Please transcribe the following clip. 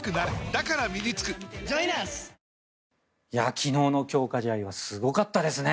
昨日の強化試合はすごかったですね。